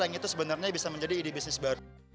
tank itu sebenarnya bisa menjadi ide bisnis baru